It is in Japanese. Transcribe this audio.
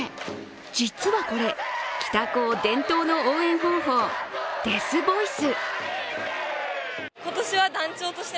実はこれ、北高伝統の応援方法、デスボイス。